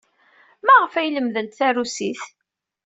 Maɣef ay lemdent tarusit?